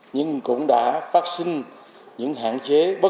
nhưng cũng đã phát sinh những hạn chế bất cập